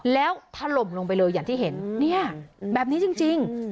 แล้วถล่มลงไปเลยอย่างที่เห็นเนี่ยแบบนี้จริง